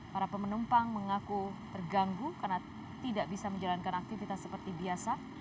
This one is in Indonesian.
para penumpang mengaku terganggu karena tidak bisa menjalankan aktivitas seperti biasa